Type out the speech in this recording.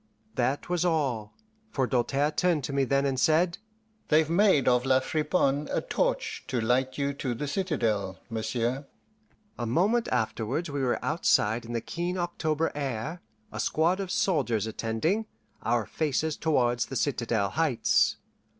That was all, for Doltaire turned to me then and said, "They've made of La Friponne a torch to light you to the citadel, monsieur." A moment afterwards we were outside in the keen October air, a squad of soldiers attending, our faces towards the citadel heights.